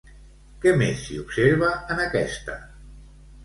Què més s'hi observa en aquesta?